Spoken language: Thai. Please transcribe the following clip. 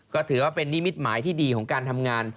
ก็ถือว่าเป็นนิมิตหมายที่ดีของการทำงาน